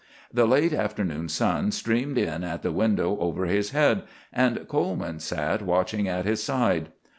The late afternoon sun streamed in at the window over his head, and Coleman sat watching at his side.